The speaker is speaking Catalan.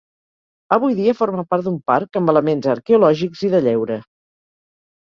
Avui dia forma part d'un parc amb elements arqueològics i de lleure.